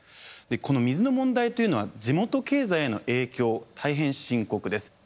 この水の問題というのは地元経済への影響大変深刻です。